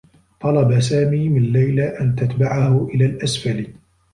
طلب سامي من ليلى أن تتبعه إلى الأسفل.